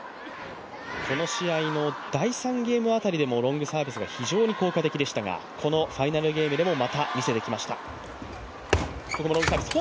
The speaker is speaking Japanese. この試合の第３ゲーム辺りでもロングサービスが非常に効果的でしたがこのファイナルゲームでもまた見せてきました。